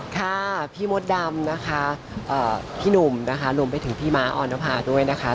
ค่ะพี่มดดำนะคะพี่หนุ่มนะคะรวมไปถึงพี่ม้าออนภาด้วยนะคะ